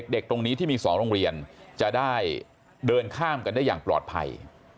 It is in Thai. เด็กตรงนี้ที่มี๒โรงเรียนจะได้เดินข้ามกันได้อย่างปลอดภัย